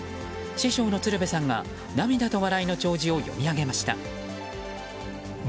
師匠の鶴瓶さんが涙と笑いの弔辞を読み上げました。